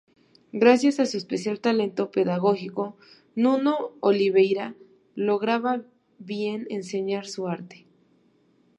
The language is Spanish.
Gracias a su especial talento pedagógico, Nuno Oliveira lograba bien enseñar su arte.